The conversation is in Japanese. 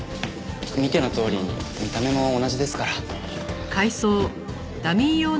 見てのとおり見た目も同じですから。